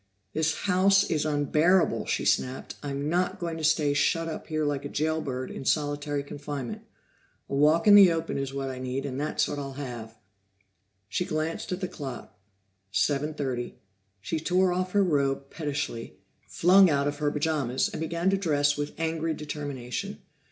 "This house is unbearable!" she snapped. "I'm not going to stay shut up here like a jail bird in solitary confinement. A walk in the open is what I need, and that's what I'll have." She glanced at the clock; seven thirty. She tore off her robe pettishly, flung out of her pajamas, and began to dress with angry determination.